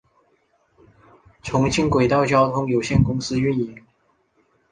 重庆轨道交通有限公司运营。